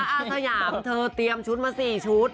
อาสยามเธอเตรียมชุดมา๔ชุด